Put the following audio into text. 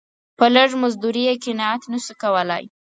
په لږ مزدوري یې قناعت نه سو کولای.